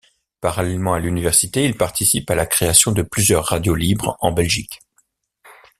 Parallèlement à l'université, il participe à la création de plusieurs radios libres en Belgique.